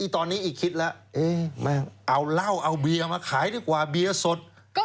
ตอนนี้อีกคิดแล้วไม่เอาเหล้าเอาเบียร์มาขายดีกว่าเบียร์สด